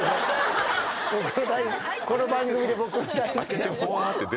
この番組で僕の大好きな。